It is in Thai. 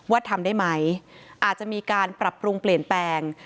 ทำได้ไหมอาจจะมีการปรับปรุงเปลี่ยนแปลง